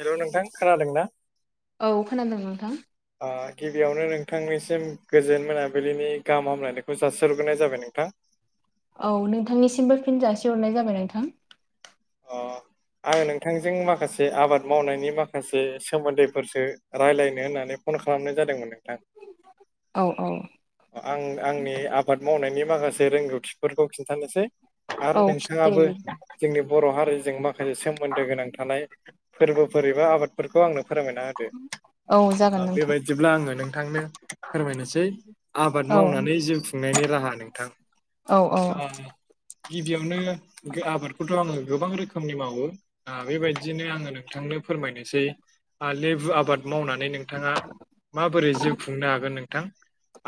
Hello नोंथां खोनादों ना औ खोनादों नोंथां ओ गिबियावनो नोंथांनिसिम गोजोन मोनाबिलिनि गाहाम हामलायनायखौ जासिहरग्रोनाय जाबाय नोंथां औ नोंथांनिसिमबो फिन जासिहरनाय जाबाय नोंथां अ आङो नोंथांजों माखासे आबाद मावनायनि माखासे सोमोन्दैफोरसो रायज्लायनो होननानै फन खालामनाय जादोंमोन नोंथां औ औ आं आंनि आबाद मावनायनि माखासे रोंगौथिफोरखौ खिन्थानोसै आरो औ दे नोंथाङाबो बिदिब्ला जोंनि बर' हारिजों माखासे सोमोन्दो गोनां थानाय फोरबोफोर एबा आबादफोरखौ आंनो फोरमायना औ जागोन हो नोंथां बेबायदिब्ला आङो नोंथांनो फोरमायनोसै आबाद औ मावनानै जिउ खुंनायनि राहा नोंथां औ औ ओ गिबियावनो आबादखौथ' आङो गोबां रोखोमनि मावो बेबायदिनो आङो नों नोंथांनो फोरमायनोसै आ लेबु आबाद मावनानै नोंथाङा माबोरै जिउ खुंनो हागोन नोंथां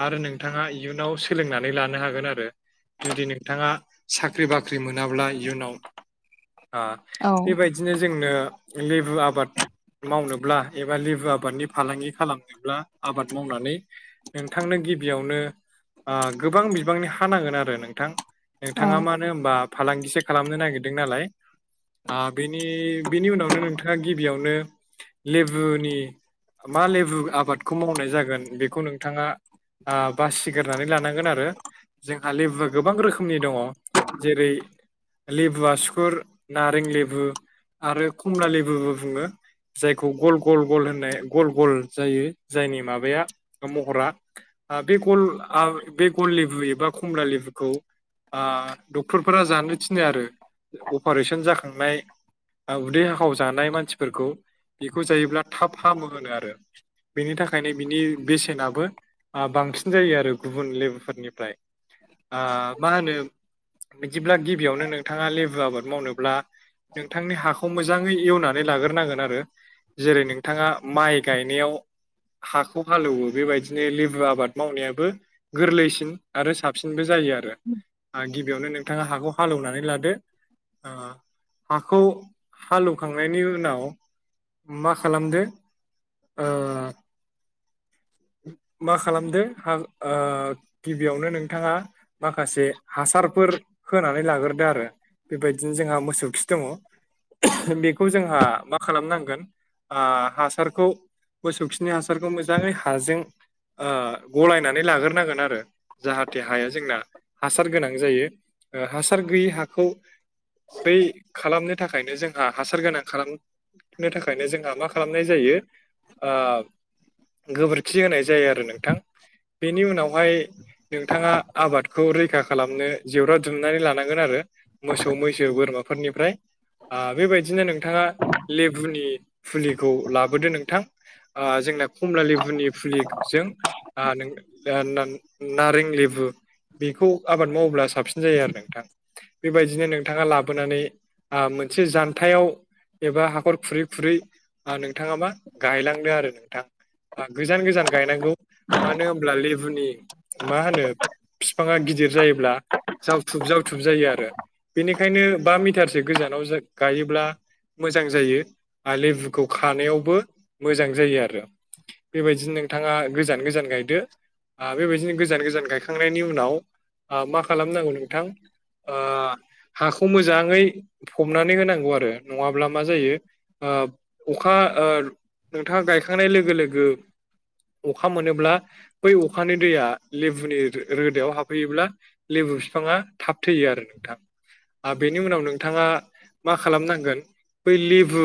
आरो नोंथाङा इयुनाव सोलोंनानै लानो हागोन आरो जुदि नोंथाङा साख्रि बाख्रि मोनाब्ला इयुनाव औ बेबायदिनो जोंनो लेबु आबाद मावनोब्ला एबा लेबु आबादनि फालांगि खालामनोब्ला आबाद मावनानै नोंथांनो गिबियावनो गोबां बिबांनि हा नांगोन आरो नोंथां औ नोंथाङा मानो होनबा फालांगिसो खालामनो नागिरदों नालाय बेनि बेनि उनावनो नोंथाङा गिबियावनो लेबुनि मा लेबु आबादखौ मावनाय जागोन बेखौ नोंथाङा बासिगोरनानै लानांगोन आरो जोंहा लेबुआ गोबां रोखोमनि दङ जेरै लेबु आसुखुर नारें लेबु आरो खमला लेबुबो बुङो जायखौ गल गल गल होननाय गल गल जायो जायनि माबाया महरा बे गल बे गल लेबु एबा खमला लेबुखौ डक्टरफोरा जानो थिनो आरो अपारेशन जाखांनाय उदै हाखावजानाय मानसिफोरखौ बेखौ जायोब्ला थाब हामो होनो आरो बेनि थाखायनो बिनि बेसेनाबो बांसिन जायो आरो गुबुन लेबुफोरनिफ्राय मा होनो बिदिब्ला गिबियावनो नोंथाङा लेबु बु आबाद मावनोब्ला नोंथांनि हाखौ मोजाङै एवनानै लाग्रोनांगोन आरो जेरै नोंथाङा माइ गायनायाव हाखौ हालेवो बेबायदिनो लेबु आबाद मावनायाबो गोरलैसिन आरो साबसिनबो जायो आरो गिबियावनो नोंथाङा हाखौ हालेवनानै लादो हाखौ हालौवखांनायनि उनाव मा खालामदो मा खालामदो आं गिबियावनो नोंथाङा माखासे हासारफोर होनानै लाग्रोदो आरो बेबायदिनो जोंहा मोसौ खि दङ बेखौ जोंहा मा खालामनांगोन हासारखौ मोसौ खिनि हासारखौ मोजाङै हाजों ओ गलायनानै लाग्रोनांगोन आरो जाहाथे हाया जोंना हासार गोनां जायो ओ हासार गैयि हाखौ बै खालामनो थाखायनो जोंहा हासार गोनां खालाम नो थाखायनो जोंहा मा खालामनाय जायो गोबोरखि होनाय जायो आरो नोंथां बेनि उनावहाय नोंथाङा आबादखौ रैखा खालामनो जेवरा दुमनानै लानांगोन आरो मोसौ मैसो बोरमाफोरनिफ्राय बेबायदिनो नोंथाङा लेबुनि फुलिखौ लाबोदो नोंथां जोंना खमला लेबुनि फुलिजों नारें लेबु बेखौ आबाद मावोब्ला साब साबसिन जायो आरो नोंथां बेबायदिनो नोंथाङा लाबोनानै मोनसे जानथायाव एबा हाखर खुरै खुरै नोंथाङा मा गायलांदो आरो नोंथां गोजान गोजान गायनांगौ मानो होनोमब्ला लेबुनि मा होनो बिफाङा गिदिर जायोब्ला जावथुब जावथुब जायो आरो बेनिखायनो बा मिटारसो गोजानाव गायोब्ला। मोजां जायो आरो लेबुखौ खानायावबो मोजां जायो आरो। बेबायदिनो नोंथाङा गोजान गोजान गायदो बेबायदिनो गोजान गोजान गायखांनायनि उनाव मा खालामनांगौ नोंथां हाखौ मोजाङै फबनानै होनांगौ आरो नङाब्ला मा जायो अखा नोंथाङा गायखांनाय लोगो लोगो अखा मोनोब्ला बै अखानि दैया लेबुनि रोदायाव हाबफैयोब्ला लेबु बिफाङा थाब थैयो आरो नोंथां बेनि उनाव नोंथाङा मा खालामनांगोन बै लेबु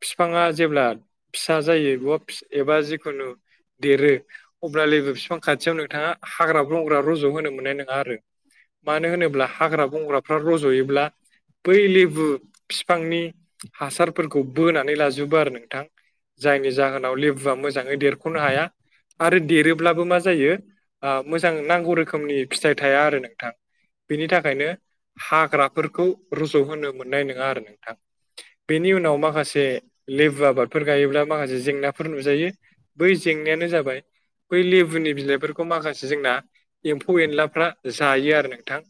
बिफाङा जेब्ला फिसा जायो बा एबा जिखुनु देरो अब्ला लोगोेबो बिफां खाथियाव नोंथाङा हाग्रा ब्रंग्रा रज' होनो मोननाय नङा आरो मानो होनोब्ला हाग्रा बंग्राफ्रा रज'योब्ला बै लेबु बिफांनि हासारफोरखौ बोनानै लाजोबो आरो नोंथां जायनि जाहोनाव लेबुआ मोजाङै देरख'नो हाया। आरो देरोब्लाबो मा जायो मोजां नांगौ रोखोमनि फिथाइ थाया आरो नोंथां। बिनि थाखायनो हाग्राफोरखौ रज' होनो मोननाय नङा आरो नोंथां बेनि उनाव माखासे लेबु आबादफोर गायोब्ला माखासे जेंनाफोर नुजायो। बै जेंनायानो जाबाय बै लेबुनि बिलाइफोरखौ माखासे जोंना एम्फौ एनलाफ्रा जायो आरो नोंथां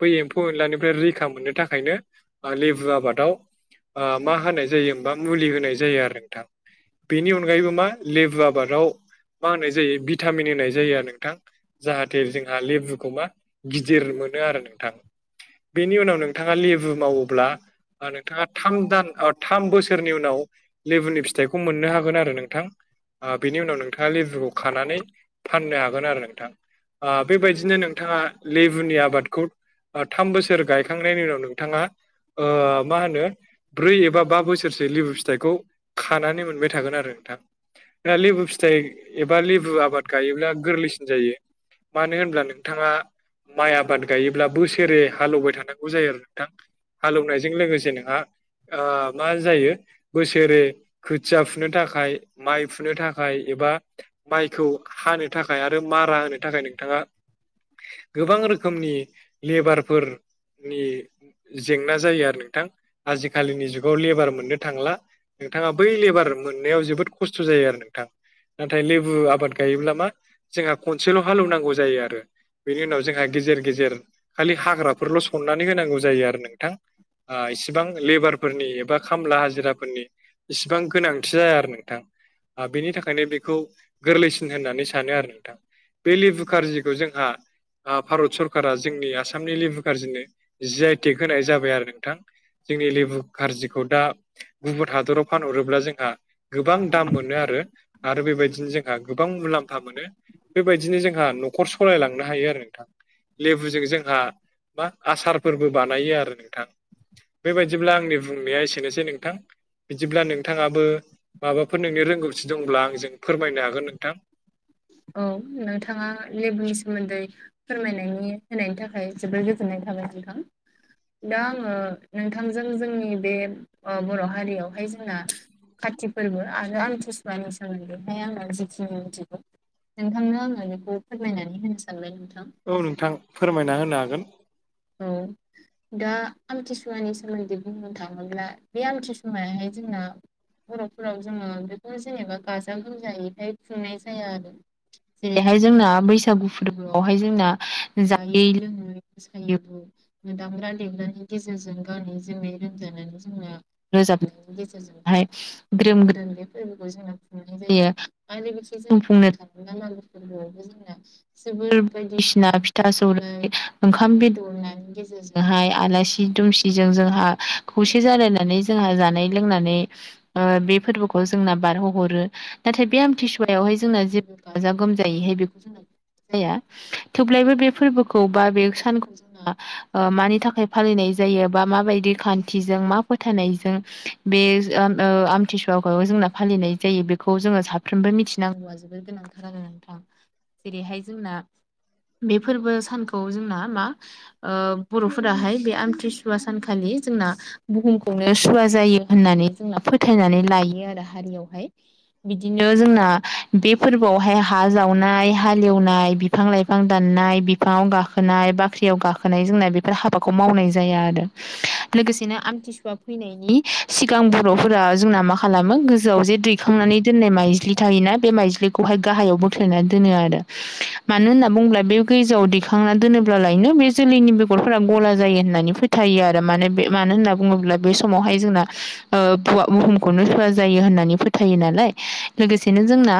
बै एम्फौ एनलानिफ्राय रैखा मोननो थाखायनो लेबु आबादाव मा होनाय जायो होमबा मुलि होनाय जायो आरो नोंथां बेनि अनगायैबो मा लेबु आबादाव मा होनाय जायो भिटामिन होनाय जायो आरो नोंथां जाहाथे जोंहा लेबुखौ मा गिदिर मोनो आरो नोंथां बेनि उनाव नोंथाङा लेबु मावोब्ला नोंथाङा थाम दान थाम बोसोरनि उनाव लेबुनि फिथाइखौ मोननो हागोन आरो नोंथां बेनि उनाव नों नोंथाङा लेबुखौ खानानै फाननो हागोन आरो नोंथां बेबायदिनो नोंथाङा लेबुनि आबादखौ थाम बोसोर गायखांनायनि उनाव नोंथाङा मा होनो ब्रै एबा बा बोसोरसो लेबु फिथाइखौ खानानै मोनबाय थागोन आरो नोंथां। दा लेबु फिथाइ एबा लेबु आबाद गायोब्ला गोरलैसिन जायो। मानो होनब्ला नोंथाङा माइ आबाद गायोब्ला बोसोरे हालेवबाय था गौ जायो आरो नोंथां हालेवनायजों लोगोसे नोंहा मा जायो बोसोरे खोथिया फुनो थाखाय माइ फुनो थाखाय एबा माइखौ हानो थाखाय आरो मारा होनो थाखाय नोंथाङा गोबां रोखोमनि लेबारफोरनि जेंना जायो आरो नोंथां आजिखालिनि जुगाव लेबार मोननो थांला नोंथाङा बै लेबार मोननायाव जोबोद खस्थ' जायो आरो नोंथां नाथाय लेबु आबाद गायोब्ला मा जोंहा खनसेल' हालौवनांगौ जायो आरो बेनि उनाव जोंहा गेजेर गेजेर खालि हाग्राफोरल' सननानै होनांगौ जायो आरो नोंथां एसिबां लेबारफोरनि एबा खामला हाजिराफोरनि इसिबां गोनांथि जाया आरो नोंथां। बेनि थाखायनो बेखौ गोरलैसिन होननानै सानो आरो नोंथां। बे लेबु कारजिखौ जोंहा भारत सरकारा जोंनि आसामनि लेबु कारजि जि आइ टेक होनाय जाबाय आरो नोंथां जोंनि लेबु कारजिखौ दा गुबुन हादराव फानहरोब्ला जोंहा। गोबां दाम मोनो आरो आरो बेबायदिनो जोंहा गोबां मुलाम्फा मोनो। बेबायदिनो जोंहा न'खर सालायलांनो हायो आरो नोंथां लेबुजों जोंहा मा आसारफोरबो बानायो आरो नोंथां बेबायदिब्ला आंनि बुंनाया एसेनोसै नोंथां बिदिब्ला नोंथाङाबो माबाफोर नोंनि रोंगौथि दंब्ला आंजों फोरमायनो हागोन नोंथां औ नोंथाङा लेबुनि सोमोन्दै फोरमायनायनि होनायनि थाखाय जोबोर गोजोननाय थाबाय नोंथां दा आङो नोंथांजों जोंनि बे बर' हारियावहाय जोंना काति फोरबो आरो आमथिसुुवानि सोमोन्दैहाय आङो जिखिनि मोनथिगौ नोंथांनो आङो बेखौ फोरमायनानै होनो सानबाय नोंथां औ नोंथां फोरमायना होनो हागोन औ दा आमथिसुवानि सोमोन्दै बुं थाङोब्ला बे आमथि समायाहाय जोंना बर'फोराव जोङो बेखौनो जेनेबा गाजा गोमजायैहाय खुंनाय जाया आरो जेरैहाय जोंना बैसागु फोरबोआवहाय जोंना जायै लोङै दामग्रा देग्रानि गेजेरजों गावनि जेंनाय रोमजानाय रोजाबनायनि गेजेरजोंहाय ग्रोम ग्रोम बे फोरबोखौ जोङो नाय जायो आरोसोर जों बुंनो थाङोब्ला मानसिफोरखौ जोबोर बायदिसिना फिथा सौराइ ओंखाम बेदरनि गेजेरजों जोंहाय आलासि दुमसिजों जोंहा खौसे जालायनानै जोंहा जानाय लोंनानै बे फोरबोखौ जोंना बारहोहरो नाथाय बे आमथिसुवायावहाय जोंना जेबो गाजा गोमजायैहाय बेखौ जोंना जाया थेवब्लायबो बे फोरबोखौ बा बे सानखौ जों मानि थाखाय फालिनाय जायो बा माबायदि खान्थिजों मा फोथायनायजों बे आमथिसुवाखौयाव जोंना फालिनाय जायो बेखौ जोङो साफ्रोमबो मिथिनां जोबोद गोनांथार आरो नोंथां जेरैहाय जोंना बे फोरबो सानखौ जोंना बर'फोराहाय बे आमथिसुवा सानखालि जोंना बुहुमखौनो सुवा जायो होननानै जोंना फोथायनानै लायो आरो हारियावहाय बिदिनो जोंना बे फोरबोआवहाय हा जावनाय हालेवनाय बिफां लाइफां दाननाय बिफाङाव गाखोनाय बाख्रियाव गाखोनाय जोंना बेफोर हाबाखौ मावनाय जाया आरो लोगोसेनो आमथिसुवा फैनायनि सिगां बर'फोरा जोंना मा खालामो गोजौआव जे दैखांनानै दोननाय माइज्लि थायोना बे माइज्लि हाय गाहायाव बोख्लायनानै दोनो आरो मानो होनना बुङोब्ला बे गोजौआव दैखांनानै दोनोबा जालायनो बे जोलैनि बेगरफोरा गला जायो होननानै फोथायो आरो माने बे मानो होनना बुङोब्ला बे समावहाय जोंना बुहुमखौनो सुवा जायो होननानै फोथायो नालाय लोगोसेनो जोंना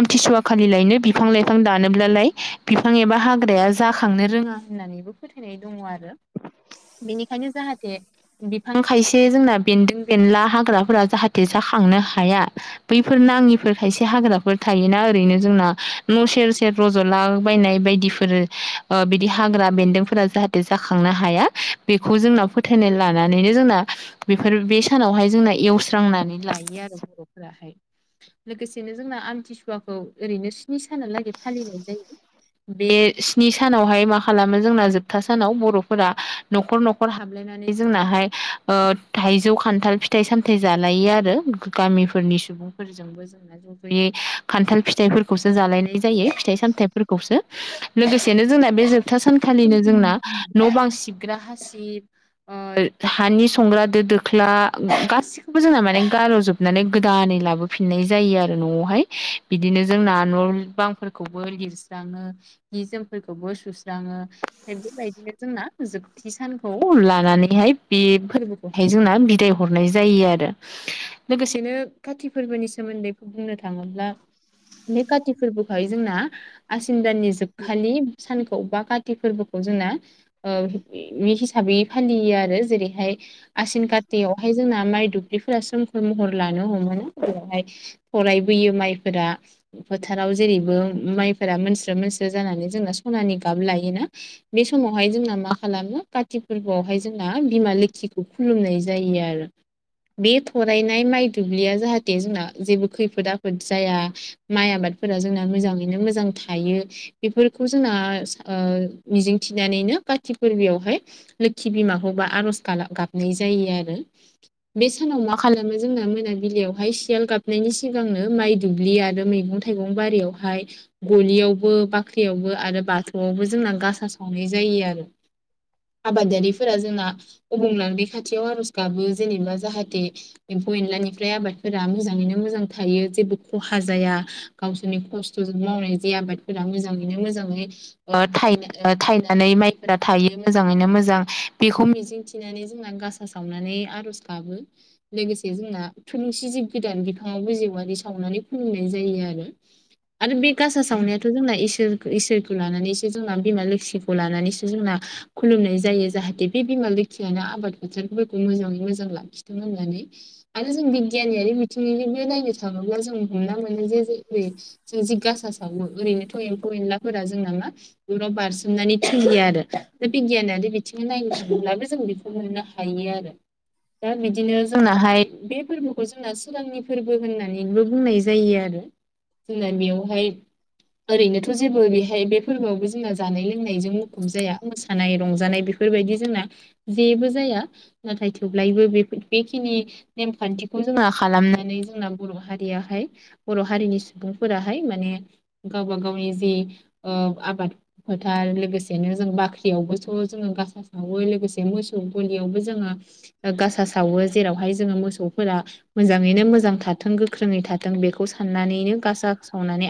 आमथिसुवा खालि लायनो बिफां लाइफां दानोब्लालाय बिफां एबा हाग्राया जाखांनो रोङा होननानैबो फोथायनाय दङ आरो बेनिखायनो जाहाथे बिफां खायसे जोंना बेन्दों बेनला हाग्राफोरा जाहाथे जाखांनो हाया बैफोर नाङिफोर खायसे हाग्राफोर थायोना ओरैनो जोंना न' सेर सेर रज'ला बायनाय बायदिफोर बिदि हाग्रा बेन्दोंफोरा जाहाथे जाखांनो हाया बेखौ जोंना फोथायनाय लानानैनो जोंना बेफोर बे सानावहाय जोंना एवस्रांनानै लायो आरो बर'फोरा लोगोसेनो जोंना आमथिसुवाखौ ओरैनो स्नि सानालागै फालिनाय जायो बे स्नि सानावहाय मा खालामो जोंना जोबथा सानाव बर'फोरा न'खर न'खर हाबाय नानै जोंनाहाय थाइजौ खान्थाल फिथाइ सामथाय जालायो आरो गामिफोरनि सुबुं बो जा खान्थाल फिथफोरखौसो जालायनाय जायो फिथ सामथफोरखौसो लोगोसेनो जोंना बे जोबथा सानखालिनो जोंना न' बां सिबग्रा हासिब हानि संग्रा दो दोख्ला गासिबो बेखौबो जोंना माने गार'जोबनानै गोदानै लाबोफिननाय जायो आरो न'आवहाय बिदिनो जोंना न' बांफोरखौबो लिरस्राङो जि जोमफोरखौबो सुस लाङो बेबायदिनो जोंना जोब थि सानखौ लानानैहाय बे फोरबोखौहाय जोंना बिदाय हरनाय जायो आरो लोगोसेनो काति फोरबोनि सोमोन्दै बुंनो थाङोब्ला बे कति फोरबोहाय जोंना आसिन दाननि जोबखालि सानखा बा काति फोरबोखौ जोंना बे हिसाबै फालियो आरो जेरैहाय आसिन कातआवहाय जोंना माइ दुब्लिफोरा सोमखोर महर लानो हमो बेावहाय फरायबोयो माइफोरा फोथाराव जेरैबो माइफोरा मोनस्रो मोनस्रो जानानै जोंना सनानि गाब लायोना बे समावहाय जोंना मा खालामो काति फोरबोआवहाय जोंना बिमा लोखिखौ खुलुमनाय जायो आरो बे थरायनाय माइ दुब्लिया जाहाथे जोंना जेबो खैफोद आफोद जाया माइ आबादफोरा जोंना मोजाङैनो मोजां थायो बेफोरखौ जोंना मिजिंथिनानैनो काति फोरबोयावहाय लोखि बिमाखौबा आर'ज गाब गाबनाय जायो आरो बे सानाव मा खालामो जोंना मोनाबिलियावहाय सियाल गाबनायनि सिगांनो माइ दुब्लि आरो मैगं थाइं बारियावहाय गलियावबो बाख्रियावबो आरो ब थ'आवबो जोंना गासा सावनाय जायो आरो आबादारिफोरा जोंना अबंलारै खाथियाव आर'ज गाबो जेनेबा जाहाथे एम्फौ एनलानिफ्राय आबादफोरा मोजाङैनो मोजां थायो जेबो खहा जाया गावसोरनि खस्थ'जों मावनाय ज आबादफोरा मोजाङैनो मोजाङै थायनानै माइफोरा थायो मोजाङैनो मोजां बेखौ मिजिंथि बिनानै जोंना गासा सावनानै आर'ज गाबो लोगोसे जोंना थुनुंसि जिब गोदान बिफाङावबो जिवारि सावनानै फोंनाय जायो आरो आरो बे गासा सावनायाथ' जोंना इसोर इसोरखौ लानानै जों बिमा लोखिखौ लानानैसो जोंना खुलुमनाय जायो जाहाथे बे बिमा बिफा मसियानो आबाद फोथारफोरखौ मोजाङै मोजां लाखिथों होननानै आरो जों बिगियनियारि बिथिं बे नायनो थाङोब्ला जों हमना मोनो जे जेरै जों जिगासा सावो ओरैनोथ' एम्फौ एनलाफोरा जोंनामा दुराव बारसोमनानै थैयो आरो दा बिगियानारि बिथिङ नायनो थब्लाबो जों बेखौ मोननो थायो आरो दा बिदिनो जोंनाहाय बे फोरबोखौ जोंना सोरगांनि फोरबो होननानैबो बुंनाय जायो आरो जोंना बेयावहाय ओरैनोथ' जेबो बेहाय बे फोरबोआवबो जोंना जानाय लोंनायजों मुखुब जाया मोसानाय रंजानाय बेफोरबायदि जोंना जेबो जाया नाथाय थेब्लायबो बेफोर बेखिनि नेमखान्थिखौ जोङो खालामनानै जोंना बर' हारियाहाय बर' हारिनि सुबुंफोराहाय माने गावबा गावनि जि आबाद फोथार लोगोसेनो जों बाख्रियावबोथ' जोङो गास सावो लोगोसे मोसौ गलियावबो जोङो गासा सावो जेरावहाय जोङो मोसौफोरा मोजाङैनो मोजां थाथों गोख्रोङै थाथों बेखौ साननानैनो गासा सावनानै